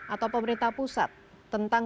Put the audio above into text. atau pemerintah pusat tentang